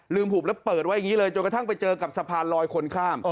หุบแล้วเปิดไว้อย่างนี้เลยจนกระทั่งไปเจอกับสะพานลอยคนข้าม